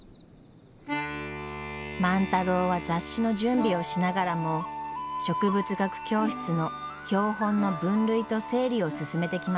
万太郎は雑誌の準備をしながらも植物学教室の標本の分類と整理を進めてきました。